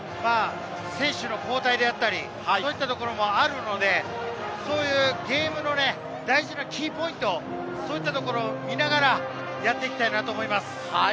選手の交代であったり、そういったこともあるので、ゲームの大事なキーポイントを見ながらやっていきたいと思います。